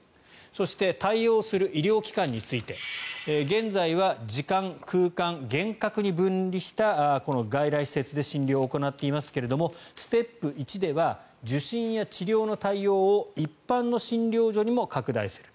そして、対応する医療機関について現在は時間、空間厳格に分離した外来施設で診療を行っていますけれどもステップ１では受診や治療の対応を一般の診療所にも拡大する。